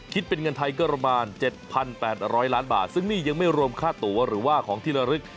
คิดเป็นเงินไทยก็ประมาณ๗๘๐๐ล้านบาทซึ่งนี่ยังไม่รวมค่าตัวหรือว่าของที่ระลึก